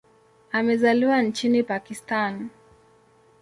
Amezaliwa nchini Pakistan.